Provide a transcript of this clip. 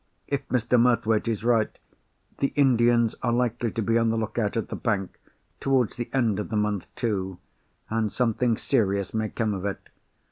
If Mr. Murthwaite is right, the Indians are likely to be on the lookout at the bank, towards the end of the month too—and something serious may come of it.